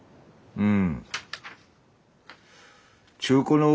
うん。